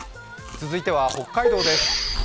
続いては北海道です。